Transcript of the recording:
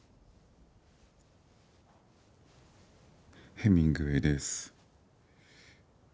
ヘミングウェイです。